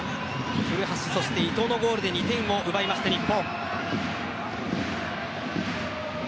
古橋、そして伊東のゴールで２点を奪いました日本。